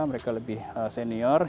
mereka lebih senior